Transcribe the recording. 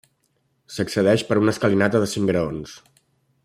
S'accedeix per una escalinata de cinc graons.